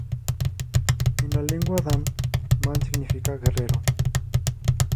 En la lengua Dan, Man significa "Guerrero".